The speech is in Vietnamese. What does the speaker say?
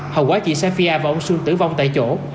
hầu quá chị safia và ông sun tử vong tại chỗ